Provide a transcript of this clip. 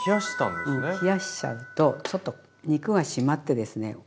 うん冷やしちゃうとちょっと肉がしまってですね